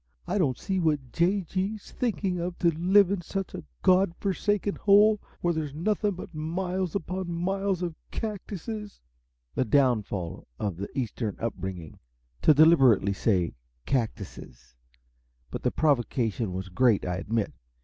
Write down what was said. I don't see what J. G.'s thinking of, to live in such a God forgotten hole, where there's nothing but miles upon miles of cactuses " The downfall of Eastern up bringing! To deliberately say "cactuses" but the provocation was great, I admit.